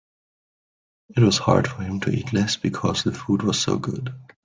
It was hard for him to eat less because the food was so good.